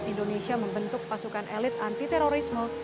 indonesia membentuk pasukan elit anti terorisme